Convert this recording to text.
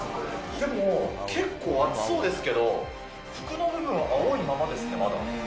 でも、結構暑そうですけど、服の部分は青いままですね、まだ。